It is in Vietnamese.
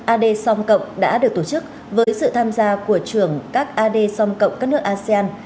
ad som cộng đã được tổ chức với sự tham gia của trưởng các ad som cộng các nước asean